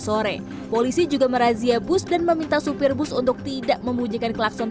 sore polisi juga merazia bus dan meminta supir bus untuk tidak membunyikan klakson